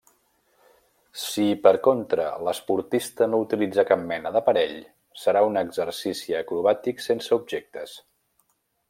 Si, per contra, l'esportista no utilitza cap mena d'aparell, serà un exercici acrobàtic sense objectes.